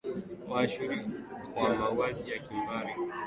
waashuri wa mauaji ya kimbari waliuawa kinyama nchini iraki